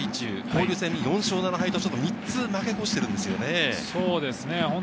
交流戦４勝７敗と３つ負け越しているんですよね。